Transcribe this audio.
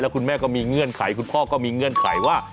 คุณแม่ก็มีเงื่อนไขคุณพ่อก็มีเงื่อนไขว่า